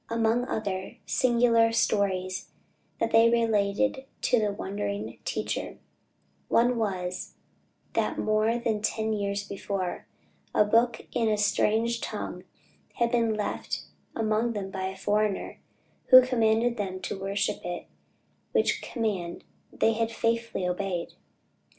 Among other singular stories that they related to the wondering "teacher," one was, that more than ten years before, a book in a strange tongue had been left among them by a foreigner, who commanded them to worship it; which command they had faithfully obeyed.